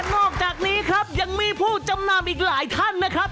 นอกจากนี้ครับยังมีผู้จำนำอีกหลายท่านนะครับ